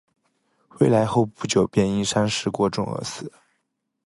回来后不久便因伤势过重而死。